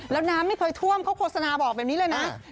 แล้วน้ำไม่เคยท่วมเขาโฆษณาบอกแบบนี้เลยนะ